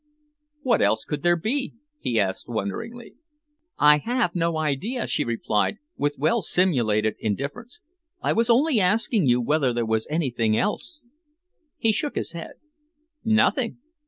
"What else could there be?" he asked wonderingly. "I have no idea," she replied, with well simulated indifference. "I was only asking you whether there was anything else?" He shook his head. "Nothing!"